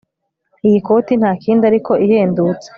Iyi koti ntakindi ariko ihendutse